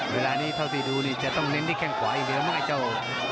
เวลานี้เท่าที่ดูนี่จะต้องเน้นที่แข้งขวาอีกแล้วมั้งไอ้เจ้า